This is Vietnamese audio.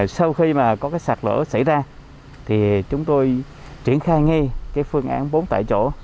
sau khi mà có cái sạt lở xảy ra thì chúng tôi triển khai ngay cái phương án bốn tại chỗ